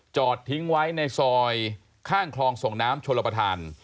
จอดทิ้งไว้ในซอยข้างคลองส่งน้ำชลประธาน